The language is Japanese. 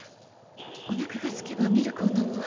おなかがすけばミルクを飲むわ。